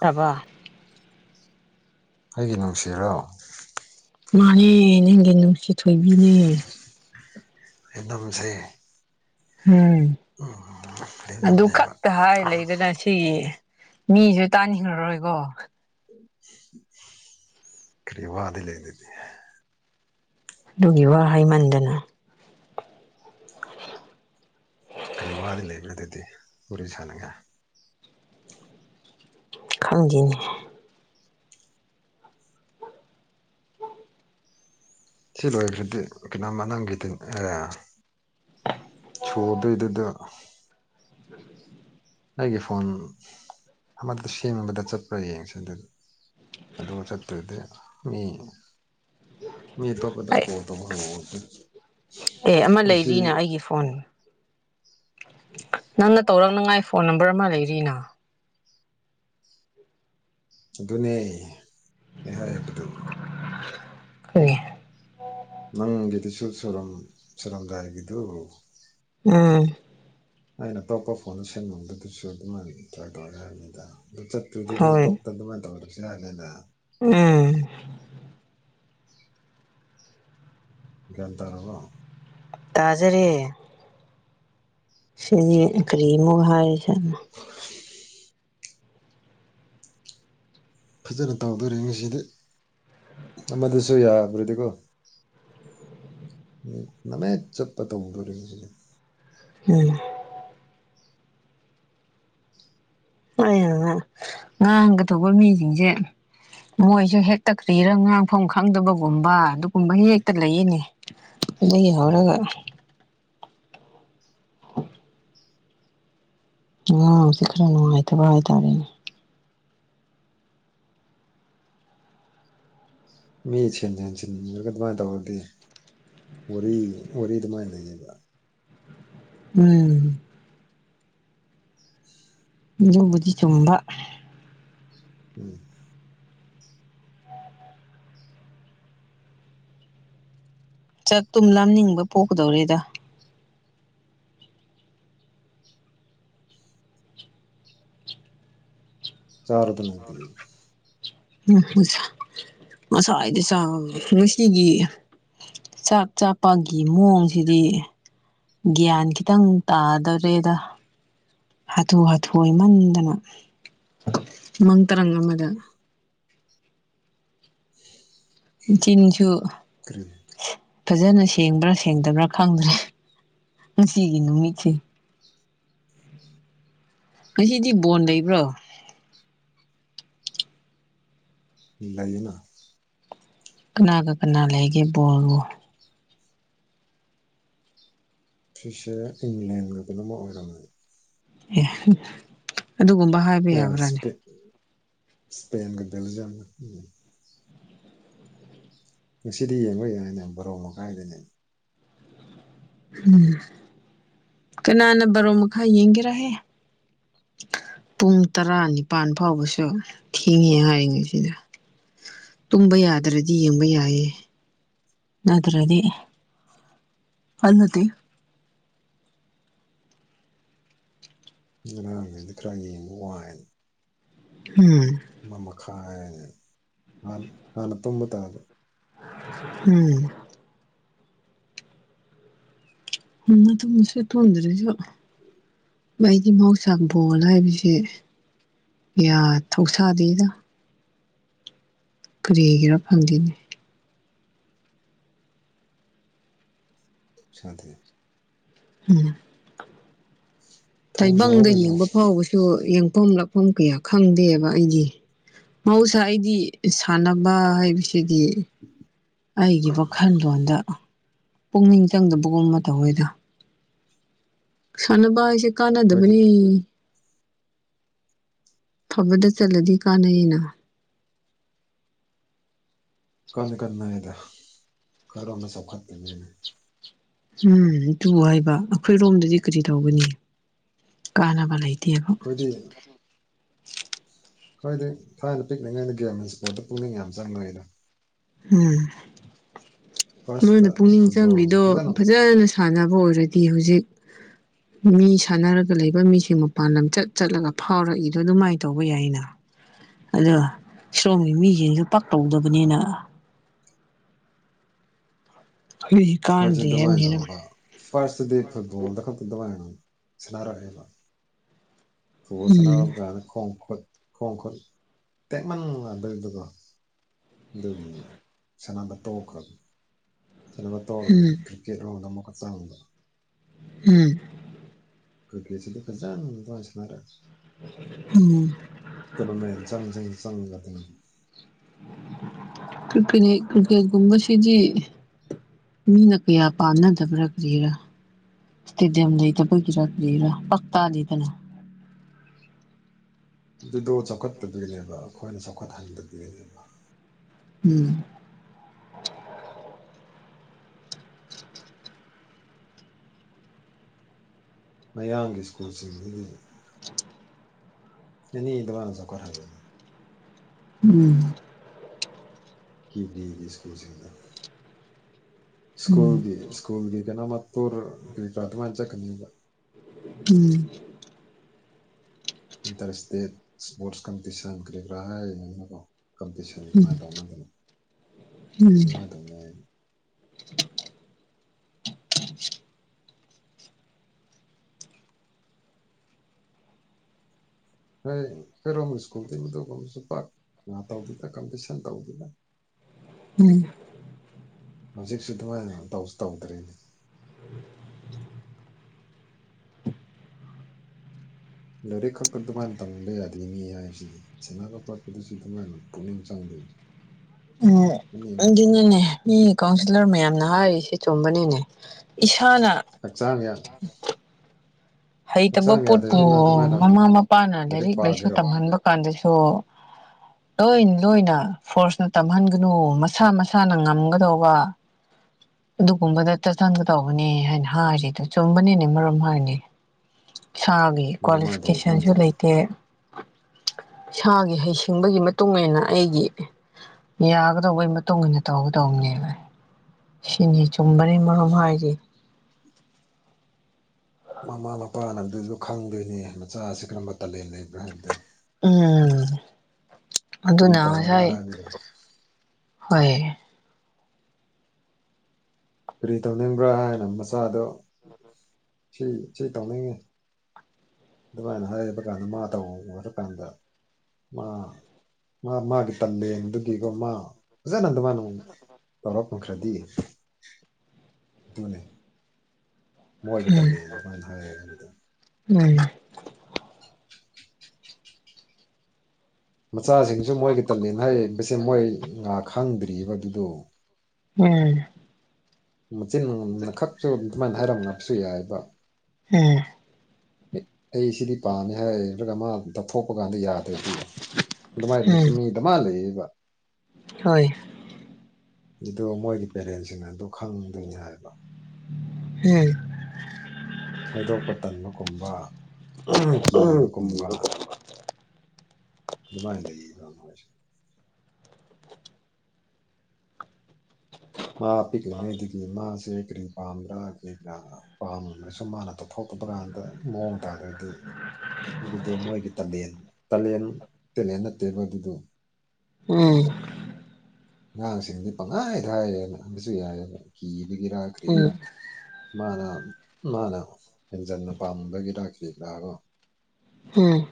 ꯇꯥꯕꯔ꯭ ꯑꯩꯒꯤ ꯅꯨꯡꯁꯤꯔꯣ ꯃꯥꯅꯦ ꯅꯪꯒꯤ ꯅꯨꯡꯁꯤ ꯊꯣꯏꯕꯤꯅꯦ ꯑꯦꯗꯝꯁꯦ ꯎꯝ ꯑꯗꯨ ꯂꯦꯝꯗꯝꯅꯦꯕ ꯈꯛꯇ ꯍꯥꯏ ꯂꯩꯗꯅ ꯁꯤꯒꯤ ꯃꯤꯁꯨ ꯇꯥꯅꯤꯡꯉꯔꯣꯏꯀꯣ ꯀꯔꯤ ꯋꯥꯗꯤ ꯂꯩꯗꯗꯤ ꯑꯗꯨꯒꯤ ꯋꯥ ꯍꯥꯏꯃꯟꯗꯅ [unintelligible] ꯀꯔꯤ ꯋꯥꯔꯤ ꯂꯩꯕꯅꯣ ꯑꯗꯨꯗꯤ ꯋꯥꯔꯤꯔꯤ ꯁꯥꯟꯅꯒꯦ ꯈꯪꯈꯤꯅꯤ ꯁꯤ ꯂꯣꯏꯈ꯭ꯔꯗꯤ ꯀꯩꯅꯣꯝꯃ ꯅꯪꯒꯤꯗꯤ ꯑꯦ ꯁꯣꯗꯩꯗꯨꯗ [inaudible] ꯑꯩꯒꯤ ꯐꯣꯟ ꯑꯃꯗ ꯁꯦꯝꯕꯗ ꯆꯠꯄ꯭ꯔꯥ ꯌꯦꯡꯁꯦ ꯑꯗꯨ ꯑꯗꯨꯕꯨ ꯆꯠꯇꯣꯏꯗꯤ ꯃꯤ ꯃꯤ ꯑꯇꯣꯞꯄꯗ ꯑꯩ ꯀꯣꯜ ꯇꯧꯕ ꯍꯧꯋꯣ ꯑꯗꯨꯝ ꯉꯁꯤ ꯑꯣꯟ ꯅꯪꯅ ꯇꯧꯔꯛꯅꯉꯥꯏ ꯐꯣꯟ ꯅꯝꯕꯔ ꯑꯃ ꯂꯩꯔꯤꯅ ꯑꯗꯨꯅꯦ ꯑꯩ ꯍꯥꯏꯕꯗꯨ ꯍ [unintelligible] ꯅꯪꯒꯤꯗꯨꯁꯨ ꯆꯨꯔꯝ ꯆꯨꯔꯝꯗꯥꯏꯒꯤꯗꯨ ꯎꯝ ꯑꯩꯅ ꯑꯇꯣꯄ ꯐꯣꯟꯗ ꯁꯦꯝꯕꯗꯨꯁꯨ ꯑꯗꯨꯃꯥꯏꯅ ꯇꯧꯔꯒꯦ ꯍꯥꯏꯔꯅꯤꯗ ꯑꯗꯨ ꯆꯠ ꯑꯗꯨꯨꯗꯤ ꯃꯤ ꯍꯣꯏ ꯇꯣꯞꯇ ꯑꯗꯨꯃꯥꯏꯅ ꯇꯧꯗꯕꯁꯨ ꯌꯥꯅꯤꯅ ꯎꯝ ꯒ꯭ꯌꯥꯟ ꯇꯥꯔꯕꯣ ꯇꯥꯖꯔꯦ ꯁꯤꯗꯤ ꯀꯔꯤ ꯑꯃꯨꯛ ꯍꯥꯏꯔꯤ ꯁꯅꯣ ꯄ [inaudible] ꯐꯖꯅ ꯇꯧꯗꯣꯔꯤ ꯉꯁꯤꯗꯤ ꯑꯃꯗꯨꯁꯨ ꯌꯥꯗꯔ꯭ ꯗꯤꯀꯣ ꯃꯃꯦ ꯆꯠꯄ ꯇꯧꯗꯣꯔꯤꯅꯤ ꯁꯤꯗꯤ [inaudible] ꯎꯝ ꯑꯩꯅꯅꯦ ꯉꯥꯡꯒꯗꯧꯕ ꯃꯤꯁꯤꯡꯁꯦ ꯃꯣꯏꯁꯨ ꯍꯦꯛꯇ ꯀ꯭ꯔꯤꯔ ꯉꯥꯡꯐꯝ ꯈꯪꯗꯕꯒꯨꯝꯕ ꯑꯗꯨꯒꯨꯝꯕ ꯍꯦꯛꯇ ꯂꯩꯌꯦꯅꯦ ꯑ ꯎꯝ ꯌꯥꯎꯔꯒ ꯑꯉꯥꯡꯁꯦ ꯈꯔ ꯅꯨꯡꯉꯥꯏꯇꯕ ꯍꯥꯏꯇꯥꯔꯦ ꯃꯤ ꯁꯦꯟ ꯁꯦꯟꯁꯤꯟꯅꯤꯉꯔꯒ ꯑꯗꯨꯃꯥꯏꯅ ꯇꯧꯔꯗꯤ ꯋꯥꯔꯤ ꯋꯥꯔꯤ ꯑꯗꯨꯃꯥꯏꯅ ꯂꯩꯌꯦꯕ ꯎꯝ ꯑꯗꯨꯕꯨꯗꯤ ꯆꯨꯝꯕ ꯎꯝ ꯆꯥꯛꯇꯨꯝ ꯂꯝꯅꯤꯡꯕ ꯄꯣꯛꯀꯗꯧꯔꯦꯗ ꯆꯥꯔꯣꯗꯅ ꯎꯝ ꯉꯁꯥꯗꯤ ꯆꯥ ꯉꯁꯤꯒꯤ ꯆꯥꯛ ꯆꯥꯄꯒꯤ ꯃꯑꯣꯡꯁꯤꯗꯤ ꯒ꯭ꯌꯥꯟ ꯈꯤꯇꯪ ꯇꯥꯗꯔꯦꯗ ꯍꯥꯊꯨ ꯍꯥꯊꯨ ꯍꯃꯟꯗꯅ ꯃꯃꯪ ꯇꯔꯪ ꯑꯃꯗ ꯎ [unintelligible] ꯃꯆꯤꯟꯁꯨ ꯀꯔꯤ ꯐꯖꯅ ꯁꯦꯡꯕ꯭ꯔ ꯁꯦꯡꯗꯕ꯭ꯔ ꯈꯪꯗ꯭ꯔꯦ ꯉꯁꯤꯒꯤ ꯅꯨꯃꯤꯠꯁꯦ ꯉꯁꯤꯗꯤ ꯕꯣꯟ ꯂꯩꯕ꯭ꯔꯣ ꯂꯩꯌꯦꯅ ꯀꯅꯥ ꯀ ꯀꯅꯥ ꯂꯩꯒꯦ ꯕꯣꯜ ꯕꯨ ꯐ꯭ꯔꯤꯁꯦ ꯏꯪꯂꯦꯟ ꯂꯗꯨꯅ ꯑꯃ ꯑꯣꯏꯔꯝꯃꯤ ꯑꯦ ꯑꯗꯨꯒꯨꯝꯕ ꯍꯥꯏꯕ ꯌꯥꯕ꯭ꯔꯥꯅꯦ ꯁꯄꯦꯟꯒꯗ ꯂꯩꯖꯝ ꯎꯝ ꯉꯁꯤꯗꯤ ꯌꯦꯡꯉꯣꯏ ꯌꯥ ꯍꯥꯏꯥꯏꯅ ꯕꯣꯔꯣ ꯃꯈꯥꯏꯗꯅꯤ ꯎꯝ ꯀꯅꯥꯅ ꯕꯔꯣ ꯃꯈꯥꯏ ꯌꯦꯡꯒꯦꯔꯍꯦ ꯄꯨꯡ ꯇꯔꯥꯅꯤꯄꯥꯜ ꯐꯥꯎꯕꯁꯨ ꯊꯦꯡꯉꯦ ꯍꯥꯏꯔꯤꯉꯩꯁꯤꯗ ꯇꯨꯝꯕ ꯌꯥꯗ꯭ꯔꯗꯤ ꯌꯦꯡꯕ ꯌꯥꯏꯌꯦ ꯅꯠꯇ꯭ꯔꯗꯤ ꯑꯗꯨꯜꯗꯤ [inaudible] ꯉꯔꯥꯡꯈꯗꯤ ꯈꯔ ꯌꯦꯡꯕ ꯋꯥꯏ ꯎꯝ ꯃꯈꯥꯏ ꯍꯥꯟꯅ ꯇꯨꯝꯕ ꯇꯥꯕ ꯎꯝ ꯎ ꯑꯗꯨꯁꯦ ꯇꯨꯟ꯭ꯔꯔꯤꯁꯨ [inaudible] ꯃꯩꯗꯤ ꯃꯁꯕꯣꯜꯂ ꯍꯥꯏꯕꯁꯦ ꯌꯥꯠ ꯊꯧ ꯁꯥꯗꯦꯗ ꯀꯔꯤꯒꯦꯔꯥ ꯐꯪꯗꯦꯅꯤ ꯁꯥꯗꯦ ꯎꯝ ꯊꯧ ꯁꯥꯍꯧ ꯇꯥꯏꯕꯪꯗ ꯀꯩꯅꯣ ꯌꯦꯡꯕ ꯐꯥꯎꯕꯁꯨ ꯌꯦꯡꯐꯝ ꯂꯥꯛꯐꯝ ꯀꯌꯥ ꯈꯪꯗꯦꯕ ꯑꯩꯗꯤ ꯃꯍꯧꯁꯥ ꯑꯩꯗꯤ ꯁꯥꯟꯅꯕ ꯍꯥꯏꯕꯁꯤꯗꯤ ꯑꯩꯒꯤ ꯋꯥꯈꯜꯂꯣꯟꯗ ꯄꯨꯛꯅꯤꯡ ꯆꯪꯗꯕꯒꯨꯝꯕ ꯇꯧꯋꯦꯗ ꯁꯥꯟꯅꯕ ꯍꯥꯥꯏꯁꯤ ꯀꯥꯟꯅꯗꯕꯅꯤ ꯑꯩꯈꯣꯏꯗꯤ ꯐꯕꯗ ꯆꯠꯂꯗꯤ ꯀꯥꯟꯅꯩꯌꯦꯅ ꯀꯟꯅ ꯀꯟꯅ ꯍꯥꯏꯗꫭꯗ ꯀꯔꫭꯝꯗ ꯆꯥꯎꯈꯠꯇꫭꯏꯅꯤ ꯎꯝ ꯑꯗꯨꯕꯨ ꯍꯥꯏꯕ ꯑꯩꯈꯣꯏ ꯔꯣꯝꯗꯗꯤ ꯀꯔꯤ ꯇꯧꯒꯅꯤ ꯀꯥꯟꯅꯕ ꯂꯩꯇꯦ ꯇꯦꯕ ꯑꯩꯈꯣꯏꯗꯤ ꯑꯈꫭꯏꯗꯤ ꯊꯥꯏꯅ ꯄꯤꯛꯂꯤꯉꯩꯗ ꯒꯦꯝ ꯏꯁꯄꯣꯠꯇ ꯄꯨꯛꯅꯤꯡ ꯌꯥꯝ ꯆꯪꯕꯅꯤꯗꯣ ꯎꯝ ꯐꯥꯔꯁꯇ ꯅꯣꯏꯅ ꯄꯨꯛꯅꯤꯡ ꯐꯨꯠꯕꯣꯜ ꯆꯪꯕꯤꯗꯣ ꯐꯖꯅ ꯁꯥꯟꯅꯕ ꯑꯣꯏꯔꯗꯤ ꯍꯧꯖꯤꯛ [inaudible] ꯃꯤ ꯁꯥꯟꯅꯔꯒ ꯂꯩꯕ ꯃꯤꯁꯤꯡ ꯃꯄꯥꯟ ꯂꯝ ꯆꯠ ꯆꯠꯂꯒ ꯐꯥꯎꯔꯛꯏꯗꯣ ꯑꯗꯨꯃꯥꯏꯅ ꯇꯧꯕ ꯌꯥꯏꯅ ꯑꯗꯣ ꯁꯣꯝꯒꯤ ꯃꯤꯁꯤꯡꯁꯨ ꯄꯥꯛꯇꯧꯗꯕꯅꯤꯅ ꯑꯩꯈꯣꯏ ꯀꯔꯖꯦ ꯀꯥꯟꯅꯗꯦ ꯍꯥꯏꯕꯅꯤꯅ ꯑꯗꯨꯃꯥꯏꯇꯧꯕ ꯐꯔꯁꯇꯗꯤ ꯐꯨꯠꯕꫭꯜꯗꯕ ꯈꯛꯇ ꯑꯗꯨꯃꯥꯏ ꯁꯅꯥꯔꯛꯑꯦꯕ ꯕꫭꯟ ꯎꯝ ꯁꯥꯟꯅꯕ ꯀꯥꯟꯗ ꯈꫭꯡ ꯈꯨꯠ ꯈꯣꯡ ꯈꯨꯠ ꯇꯦꯛꯃꯟꯗꯅꯤꯗꯨꯀꯣ ꯑꯗꯨꯒꯤꯅꯤ ꯁꯥꯟꯅꯕ ꯇꯣꯛꯈ꯭ꯔꯕ ꯁꯅꯕ ꯇꯧꯔꯗꯕ ꯎꯝ ꯀ꯭ꯔꯤꯛꯀꯦꯠ ꯔꯣꯗ ꯑꯃꯨꯛꯀ ꯆꯪꯕ ꯎꯝ ꯀꯔꯤꯀꯦꯠꯁꯤꯗꯤ ꯐꯖꯟ ꯑꯗꯨꯃꯥꯏ ꯁꯥꯟꯅꯔꯦ ꯎꯝ ꯇꫭꯔꯅꯃꯦꯟ ꯆꯪ ꯆꯪ ꯆꯪꯉꯗꯅ ꯀꯔꯤꯀꯅꯦꯛ ꯀꯔꯤꯀꯦꯠ ꯀꯨꯝꯕ ꯁꯤꯗꯤ ꯃꯤꯅ ꯀꯌꯥ ꯄꯥꯟꯅꯗꯕ꯭ꯔꯥ ꯀꯔꯤꯔ ꯇꯤꯗꯤꯝ ꯂꯩꯇꯕꯒꯤꯔ ꯀꯔꯤꯔ ꯄꯥꯛ ꯇꯥꯗꯦꯗꯅ ꯑꯗꯨꯗꯣ ꯆꯥꯎꯈꯠꯀꯗꯨꯅꯦꯕ ꯑꯩꯈꯣꯏꯅ ꯆꯥꯎꯈꯠꯍꯟꯕꯗꯨꯅꯦꯕ ꯎꯝ ꯃꯌꯥꯡꯒꯤ ꯏꯁ꯭ꯀꯨꯜꯁꯤꯡꯁꯤꯗꯤ ꯑꯦꯅꯤ ꯑꯗꯨꯃꯥꯏ ꯆꯥꯎꯈꯠ ꯍꯜꯂꯦ ꯎꯝ ꯀꯤꯕꯦꯒꯤ ꯏꯁ꯭ꯀꯨꯜꯁꯤꯡꯗ ꯎꯝ ꯏꯁ꯭ꯀꯨꯜꯒꯤ ꯏꯁꯀꯨꯜꯒꯤꯗꯅ ꯇꯨꯔ ꯀꯔꯤꯔꯥ ꯑꯗꯨꯃꯥꯏ ꯆꯠꯀꯅꯦꯕ ꯎꯝ ꯏꯟꯇꯔꯁ ꯇꯦꯠ ꯏꯁꯄꯣꯔꯁ ꯀꯝꯄꯤꯇꯤꯁꯟ ꯀꯔꯤꯀꯔꯥ ꯍꯥꯏꯔꯅꯤꯅꯀꫭ ꯀꯝꯄꯤꯇꯤ ꯁꯟ ꯑꯗꯨꯃꯥꯏ ꯇꯧꯅꯗꫭꯏꯕ ꯎꯝ ꯎꯝ ꯑꯗꯨꯃꯥꯏ ꯇꯧꯅꯩ [unintelligible] ꯍꯣꯏ ꯀꯩꯔꯣꯝ ꯏꯁ꯭ꯀꯨꯜꯗꯤ ꯃꯗꯨꯒꯕꯁꯨ ꯄꯥꯛ ꯉ ꯇꯧꯗꯦꯗ ꯀꯝꯄꯤꯇꯤꯁꯟ ꯇꯧꯗꯦꯗ ꯎꯝ ꯍꯧꯖꯤꯛꯁꯨ ꯑꯗꯨꯃꯥꯏꯅ ꯇꯧꯖꯨ ꯇꯧꯗ꯭ꯔꯦꯅꯦ ꯂꯥꯏꯔꯤꯛ ꯈꯛꯇ ꯑꯗꯨꯃꯥꯏ ꯇꯝꯕ ꯌꯥꯗꯦ ꯃꯤ ꯍꯥꯏꯁꯤꯗꯤ ꯁꯥꯟꯅꯕ ꯈꫭꯠꯄꯗꯁꯨ ꯑꯗꯨꯃꯥꯏ ꯄꯨꯛꯅꯤꯡ ꯆꯪꯕꯩ ꯎꯝ ꯑꯗꯨꯅꯅꯦ ꯃꯤ ꯀꯥꯎꯟꯁꯤꯜꯂꯔ ꯃꯌꯥꯝꯅ ꯍꯥꯏꯔꯤꯁꯤ ꯆꯨꯝꯕꯅꯤꯅꯦ ꯏꯁꯥꯅ ꯍꯛꯆꯥꯡ ꯌꯥ ꯎꯝ [unintelligible] ꯍꯩꯇꯕ ꯄꯣꯠꯄꯨ ꯌꯥꯗ꯭ꯔꯗꯤ ꯅꯪ ꯀꯃꯥꯏꯅ ꯃꯃꯥ ꯑꯃꯨꯛ ꯃꯄꯥꯅ ꯂꯥꯏꯔꯤꯛ ꯂꯥꯏꯁꯨ ꯇꯝꯍꯟꯕ ꯀꯥꯟꯗꯁꯨ ꯂꯣꯏ ꯂꯣꯏꯅ ꯐꯣꯔꯁꯅ ꯇꯝꯍꯟꯒꯅꯨ ꯃꯁꯥ ꯃꯁꯥꯅ ꯉꯝꯒꯗꯧꯕ [inaudible] ꯑꯗꯨꯒꯨꯝꯕꯗ ꯇꯠꯊꯟꯒ ꯇꯧꯕꯅꯦ ꯍꯥꯏꯅ ꯍꯥꯏꯔꯤꯗꯣ ꯆꯨꯝꯕꯅꯤꯅꯦ ꯃꯔꯝ ꯍꯥꯏꯅꯤ ꯏꯁꯥꯒꯤ ꯑꯗꯨꯃꯥꯏꯅ ꯇꯧꯗꯣꯏꯅꯦ ꯀ꯭ꯋꯥꯂꯤꯐꯤꯀꯦꯁꯟꯁꯨ ꯂꯩꯇꯦ [inaudible] ꯁꯥꯒꯤ ꯍꯩꯁꯤꯡꯕꯒꯤ ꯃꯇꯨꯡ ꯃꯇꯨꯡꯏꯟꯅ ꯑꯩꯒꯤ ꯌꯥꯒꯗꯧꯕꯒꯤ ꯃꯇꯨꯡ ꯏꯟꯅ ꯇꯧꯒꯗꯧꯕꯅꯦꯕ ꯁꯤꯅꯤꯁꯨ ꯁꯨꯝ ꯃꯔꯦꯛ ꯃꯍꯥꯎ ꯍꯥꯏꯗꯤ ꯃꯃꯥ ꯃꯄꯥꯅ ꯑꯗꯨꯁꯨ ꯈꯪꯗꯣꯏꯅꯦ ꯃꯆꯥꯁꯤ ꯀꯔꯝꯕ ꯇꯥꯂꯦꯟ ꯂꯩꯕ꯭ꯔꯥ ꯍꯥꯏꯕꯗꯣ ꯎꯝ ꯀꯔꯤ ꯑꯗꯨꯅ ꯄꯥꯝꯕ꯭ꯔꯥ ꯉꯁꯥꯏ ꯍꯥꯏꯕꯗꯣ ꯍꯣꯏ ꯀꯔꯤ ꯇꯧꯅꯤꯡꯕ꯭ꯔꯥ ꯍꯥꯏꯅ ꯃꯆꯥꯗꯣ ꯁꯤ ꯁꯤ ꯇꯧꯅꯤꯡꯉꯤ ꯑꯗꯨꯃꯤꯏꯅ ꯍꯥꯢꯕ ꯀꯥꯟꯗ ꯃꯥ ꯇꯧ ꯀꯥꯟꯗ ꯃꯥ ꯃꯥ ꯃꯥꯒꯤ ꯇꯜꯂꯦꯟꯗꯨꯒꯤꯒꯣ ꯃꯥ ꯑꯣꯖꯥꯅꯗ ꯃꯥꯅꯃꯨꯛ ꯇꯧꯔ ꯐꯪꯈ꯭ꯔꯗꯤ ꯇꯨꯅꯦ ꯃꯣꯏꯒꯤ ꯎꯝ ꯇꯂꯦꯟ ꯑꯗꯨꯃꯥꯏꯅ ꯍꯥꯏꯔꯒꯗꯤ ꯎꯝ ꯃꯆꯥꯁꯤꯡꯁꯨ ꯃꯣꯏꯒꯤ ꯇꯂꯦꯟ ꯍꯥꯏꯔꯤꯕꯁꯦ ꯃꯣꯏ ꯉꯥ ꯈꯪꯗ꯭ꯔꯔꯤꯕ ꯑꯗꯨꯗꯣ ꯎꯝ ꯃꯆꯤꯟꯅ ꯈꯛꯁꯨ ꯑꯗꯨꯃꯥꯏꯅ ꯍꯥꯏꯔꯝ ꯉꯞꯁꯨ ꯌꯥꯏꯑꯕ ꯎꯝ ꯑꯩ ꯁꯤꯗꯤ ꯄꯥꯝꯃꯦ ꯍꯥꯏꯔꯒ ꯃꯥ ꯇꯞꯊꯣꯛꯄ ꯀꯥꯟꯗ ꯌꯥꯗ꯭ꯔꯗꯤ ꯑꯗꯨꯃꯥꯏꯅ ꯎꯝ ꯁꯨꯝ ꯃꯤ ꯗꯃ ꯂꯩꯌꯦꯕ ꯍꯣꯏ ꯑꯗꯨ ꯃꯣꯏꯒꯤ ꯄꯦꯔꯦꯟꯁꯤꯡꯅ ꯑꯗꯨ ꯈꯪꯗꯣꯏꯅꯤ ꯍꯥꯏꯕ ꯎꯝ ꯍꯥꯏꯩꯗꯣꯛꯄ ꯇꯟꯕꯒꯨꯝꯕ ꯀꯤꯕꯒꯨꯝꯕ ꯑꯗꯨꯃꯥꯢ ꯂꯩꯌꯦꯕ ꯍꯧꯖꯤꯛ ꯃꯥ ꯄꯤꯛꯂꯤꯉꯩꯗꯒꯤ ꯃꯥꯁꯦ ꯀ꯭ꯔꯤ ꯄꯥꯝꯕ꯭ꯔꯥ ꯑꯩꯈꯣꯏꯒ ꯄꯥꯝꯁꯨ ꯃꯥꯅ ꯇꯧꯞꯊꯣꯛꯇꯕ ꯀꯥꯟꯗ ꯃꯑꯣꯡ ꯇꯥꯗ꯭ꯔꯗꯤ ꯑꯗꯨꯗꯣ ꯃꯣꯏꯒꯤ ꯇꯂꯦꯟ ꯇꯂꯦꯟ ꯇꯦꯂꯦꯟ ꯅꯠꯇꯦꯕ ꯑꯗꯨꯗꯣ ꯎꯝ ꯑꯉꯥꯡꯁꯤꯡꯗꯤ ꯄꯪꯍꯥꯏꯗ ꯍꯥꯏꯌꯦꯕ ꯑꯗꯨꯁꯨ ꯌꯥꯏꯌꯦꯕ ꯀꯤꯕꯒꯤꯔꯥ ꯀ꯭ꯔꯤꯔꯥ ꯎꯝ ꯃꯥꯅ ꯃꯥꯅ ꯍꯦꯟꯖꯟꯅ ꯄꯥꯝꯃꯨꯕꯒꯤꯔ ꯀꯔꯤꯒꯤꯔꯥꯗꯣ ꯎꯝ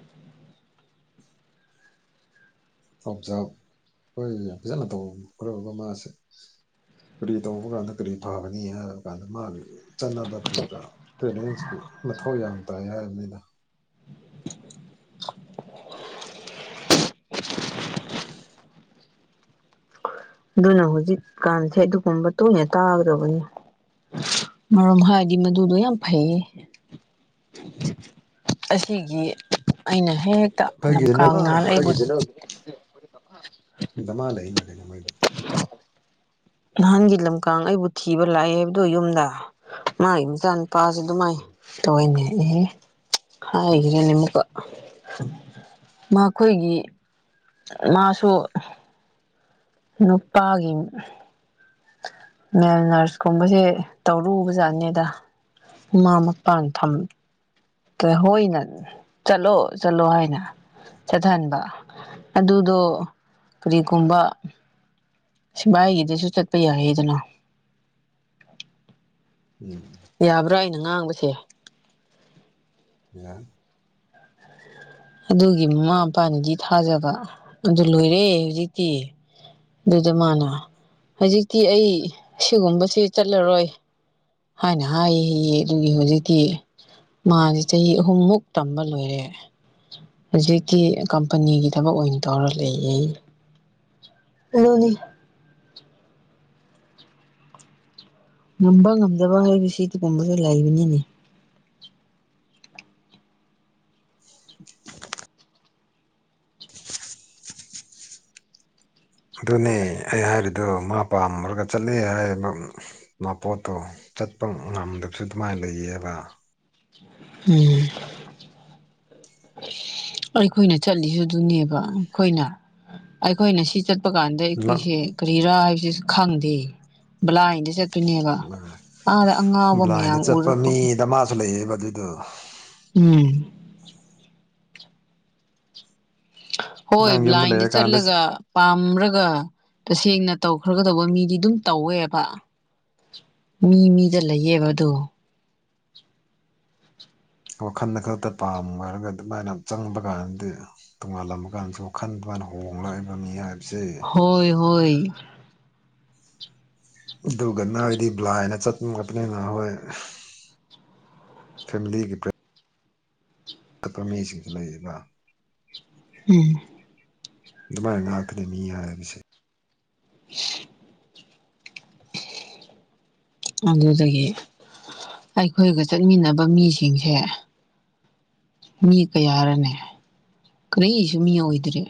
ꯑꯣꯞꯖꯥꯕ ꯑꯩꯈꯣꯏ ꯌꯥꯝ ꯐꯖꯅ ꯇꯧꯕꯣ ꯃꯃꯥꯁꯤ ꯀꯔꯤ ꯇꯧꯕ ꯀꯥꯟꯗ ꯀꯔꯤ ꯐꯒꯅꯤ ꯍꯥꯏꯕ ꯀꯥꯟꯗ ꯃꯥꯒꯤ ꯆꯠꯅꯕ ꯀꯔꯤ ꯀꯔꯥ ꯄꯦꯔꯦꯟꯁꯀꯤ ꯃꯊꯧ ꯌꯥꯝ ꯇꯥꯏ ꯍꯥꯏꯕ ꯅꯤꯗ [unintelligible] ꯑꯗꯨꯅ ꯍꯧꯖꯤꯛꯀꯥꯟꯁꯦ ꯑꯗꯨꯒꯨꯝꯕ ꯇꯣꯏꯅ ꯇꯥꯒꯗꯧꯕꯅꯤ ꯃꯔꯝ ꯍꯥꯏꯔꯗꯤ ꯃꯗꯨꯗꯣ ꯌꯥꯝ ꯐꯩꯌꯦ ꯑꯁꯤꯒꯤ ꯑꯩꯅ ꯍꯦꯛ ꯍꯦꯛꯇ ꯑꯩꯈꯣꯏꯒꯤꯁꯤꯅ ꯂꯝꯀꯥꯡꯅ ꯑꯥ ꯂꯩꯕꯗꯨꯗ ꯗꯃꯥ ꯂꯩꯅ ꯀꯩꯅꯣ ꯃꯣꯢꯗꯤ ꯅꯍꯥꯟꯒꯤ ꯂꯝꯀꯥꯡ ꯑꯩꯕꯨ ꯊꯤꯕ ꯂꯥꯛꯑꯦ ꯍꯥꯏꯕꯗꯣ ꯌꯨꯝꯗ ꯃꯥꯒꯤ ꯃꯆꯥꯥꯟ ꯅꯨꯄꯥꯁꯨ ꯑꯗꯨꯃꯥꯏꯅ ꯇꯧꯏꯅꯦ ꯑꯦ ꯍꯥꯏꯈꯔꯦꯅꯦ ꯑꯃꯨꯀ ꯃꯈꯣꯏꯒꯤ ꯃꯥꯁꯨ ꯅꯨꯄꯥꯒꯤ ꯃꯦꯜ ꯅꯔꯁꯀꯨꯝꯕꯁꯦ ꯇꯧꯔꯨꯕ ꯖꯥꯠꯅꯦꯗ ꯃꯃꯥ ꯃꯄꯥꯅ ꯊꯝ ꯍꯣꯏꯅ ꯆꯠꯂꯣ ꯆꯠꯂꯣ ꯍꯥꯏꯅ ꯆꯠꯍꯟꯕ ꯑꯗꯨꯗꯣ ꯀꯔꯤꯒꯨꯝꯕ ꯁꯤꯕꯥꯏꯒꯤꯗꯁꯨ ꯆꯠꯄ ꯌꯥꯌꯦꯗꯅ ꯎꯝ ꯌꯥꯕ꯭ꯔꯥ ꯑꯩꯅ ꯉꯥꯡꯕꯁꯦ [unintelligible] ꯑꯗꯨꯒꯤ ꯃꯃꯥ ꯃꯄꯥꯅꯗꯤ ꯊꯥꯖꯕ ꯑꯗꯨ ꯂꯣꯏꯔꯦ ꯍꯧꯖꯤꯛꯇꯤ꯫ ꯑꯗꯨꯗ ꯃꯥꯅ ꯍꯧꯖꯤꯛꯇꯤ ꯑꯩ ꯁꯤꯒꯨꯝꯕꯁꯤ ꯆꯠꯂꯔꯣꯏ꯫ ꯍꯥꯏꯅ ꯍꯥꯏꯌꯦ ꯍꯌꯦ ꯑꯗꯨꯒꯤ ꯍꯧꯖꯤꯛꯇꯤ ꯃꯥꯁꯦ ꯆꯍꯤ ꯑꯍꯨꯝꯃꯨꯛ ꯇꯝꯕ ꯂꯣꯏꯔꯦ꯫ ꯍꯧꯖꯤꯛꯇꯤ ꯀꯝꯄꯅꯤꯒꯤ ꯊꯕꯛ ꯑꯣꯏꯅ ꯇꯧꯔ ꯂꯩꯌꯦ꯫ ꯑꯗꯨꯅꯤ꯫ ꯉꯝꯕ ꯉꯝꯗꯕ ꯍꯥꯏꯕꯁꯤ ꯑꯗꯨꯒꯒꯨꯝꯕꯁꯨ ꯂꯩꯕꯅꯤꯅꯦ꯫ [unintelligible] ꯑꯗꯨꯅꯦ ꯑꯩ ꯍꯥꯏꯔꯤꯗꯨꯣ ꯃꯥ ꯄꯥꯝꯃꯨꯔꯒ ꯆꯠꯂꯦ ꯍꯥꯏꯕ [unintelligible] ꯃꯥꯄꯣꯠꯇꯣ ꯆꯠꯄ ꯉꯝꯗꯕꯁꯨ ꯑꯗꯨꯃꯥꯏꯅ ꯂꯩꯌꯦꯕ꯫ ꯎꯝ꯫ ꯑꯩꯈꯣꯏꯅ ꯆꯠꯂꯤꯁꯨ ꯑꯗꯨꯅꯦꯕ ꯑꯈꯣꯏꯅ ꯑꯩꯈꯣꯏꯅ ꯁꯤ ꯆꯠ ꯄ ꯀꯥꯟꯗ ꯅꯪ ꯑꯩꯈꯣꯏꯁꯦ ꯀꯔꯤꯔꯥ ꯍꯥꯏꯕꯁꯤꯁꯨ ꯈꯪꯗꯦ ꯕ꯭ꯂꯥꯏꯟ ꯗ ꯆꯠꯇꯣꯏꯅꯦꯕ ꯑꯥꯗ ꯑꯉꯥꯎꯕ ꯃꯌꯥꯝ ꯎꯔꯛꯄ ꯆ ꯂꯩꯌꯦꯕ ꯑꯗꯨꯗꯣ꯫ ꯎꯝ꯫ ꯍꯣꯏ ꯅꯪ ꯌꯨꯝꯗ ꯕ꯭ꯂꯥꯏꯟꯗ ꯂꯩꯔꯀꯥꯟꯗ ꯆꯠꯂꯒ ꯄꯥꯝꯔꯒ ꯇꯁꯦꯡꯅ ꯇꯧꯈ꯭ꯔꯒꯗꯧꯕ ꯃꯤꯗꯤ ꯑꯗꯨꯝ ꯇꯧꯋꯦꯕ꯫ ꯃꯤ ꯃꯤꯗ ꯂꯩꯌꯦꯕ ꯑꯗꯨ꯫ ꯋꯥꯈꯟꯗ ꯈꯛꯇ ꯄꯥꯝꯔꯒ ꯑꯗꯨꯃꯥꯏꯅ ꯆꯪꯕ ꯀꯥꯟꯗꯗꯤ ꯇꯣꯉꯥꯜꯂꯝꯕ ꯀꯥꯟꯁꯨ ꯈꯟ [unintelligible] ꯍꯣꯡꯂꯛꯏꯕ ꯃꯤ ꯍꯥꯏ ꯍꯣꯏ-ꯍꯣꯏ꯫ ꯑꯗꯨꯒ ꯅꯣꯏꯗꯤ ꯕ꯭ꯂꯥꯏꯟꯅ ꯆꯠꯅꯤꯡꯉꯛꯄꯅꯤꯅ ꯍꯣꯏ꯫ ꯐꯦꯃꯤꯂꯤꯒꯤ ꯄ꯭ꯔꯦ ꯄ ꯃꯤꯁꯤꯡꯁꯨ ꯂꯩꯕ꯫ ꯎꯝ꯫ ꯑꯗꯨꯃꯥꯏꯅ ꯉꯥꯛꯇꯅꯤ ꯃꯤ ꯍꯥꯏꯕꯁꯦ꯫ [inaudible] ꯑꯗꯨꯗꯒꯤ ꯑꯩꯈꯣꯏꯒ ꯆꯠꯃꯤꯟꯅꯕ ꯃꯤꯁꯤꯡꯁꯦ ꯃꯤ ꯀꯌꯥꯔꯅꯦ ꯀꯔꯤꯁꯨ ꯃꯤ ꯑꯣꯏꯗ꯭ꯔꯤ꯫